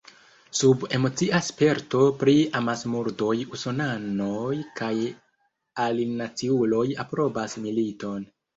Sub emocia sperto pri amasmurdoj usonanoj kaj alinaciuloj aprobas militon.